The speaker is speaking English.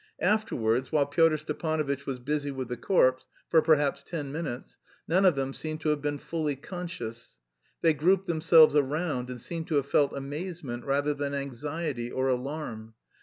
Afterwards, while Pyotr Stepanovitch was busy with the corpse for perhaps ten minutes none of them seemed to have been fully conscious. They grouped themselves around and seemed to have felt amazement rather than anxiety or alarm.